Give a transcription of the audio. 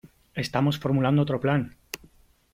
¡ Estamos formulando otro plan !